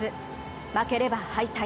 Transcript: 負ければ敗退。